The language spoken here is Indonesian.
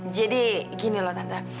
jadi gini loh tante